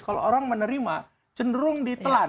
kalau orang menerima cenderung ditelan